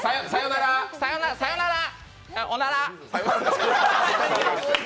さよなら、おなら。